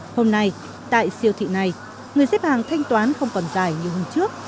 hôm nay tại siêu thị này người xếp hàng thanh toán không còn dài như hôm trước